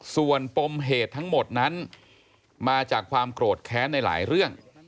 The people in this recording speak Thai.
ส่วนปมเหตุทั้งหมดนั้นมาจากความโกรธแค้นในหลายเรื่อง